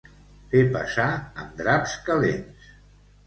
Fer passar amb draps calents.